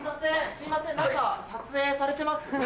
すいません何か撮影されてます？